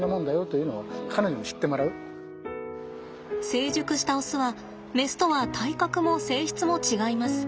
成熟したオスはメスとは体格も性質も違います。